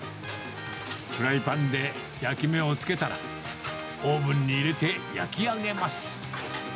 フライパンで焼き目をつけたら、オーブンに入れて焼き上げます。